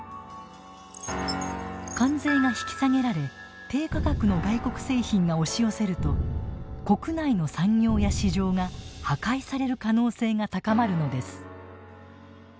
関税が引き下げられ低価格の外国製品が押し寄せると国内の産業や市場が破壊される可能性が高まるのです。